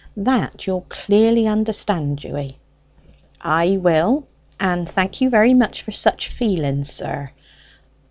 That you'll clearly understand, Dewy?" "I will; and thank you very much for such feelings, sir.